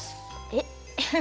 えっ？